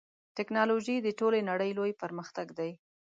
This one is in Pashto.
ټکنالوژي د ټولې نړۍ لوی پرمختګ دی.